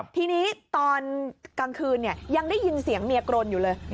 ทีนี้ตอนกลางคืนยังได้ยินเสียงเมียกรนอยู่เลย